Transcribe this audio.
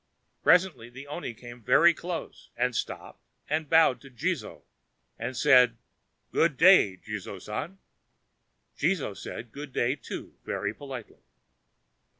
Presently the oni came very close, and stopped and bowed to Jizō, and said: "Good day, Jizō San!" Jizō said good day, too, very politely.